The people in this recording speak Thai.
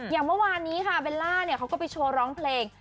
อย่างเมื่อวานนี้ค่ะเบลล่าเนี่ยเขาก็ไปโชว์ร้องเพลง